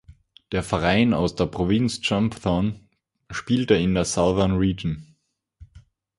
Der Verein aus der Provinz Chumphon spielte in der Southern Region.